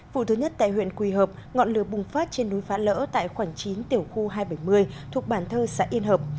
vụ thứ nhất tại huyện quỳ hợp ngọn lửa bùng phát trên núi phá lỡ tại khoảng chín tiểu khu hai trăm bảy mươi thuộc bản thơ xã yên hợp